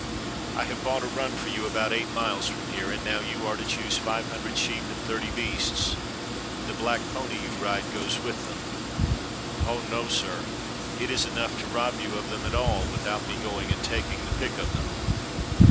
I have bought a run for you about eight miles from here, and now you are to choose five hundred sheep and thirty beasts; the black pony you ride goes with them." "Oh no, sir! it is enough to rob you of them at all without me going and taking the pick of them."